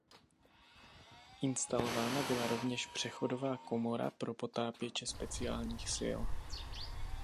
Instalována byla rovněž přechodová komora pro potápěče speciálních sil.